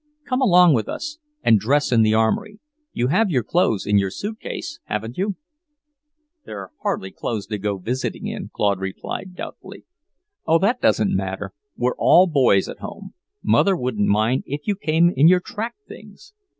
Come along with us and dress in the Armory. You have your clothes in your suitcase, haven't you?" "They're hardly clothes to go visiting in," Claude replied doubtfully. "Oh, that doesn't matter! We're all boys at home. Mother wouldn't mind if you came in your track things."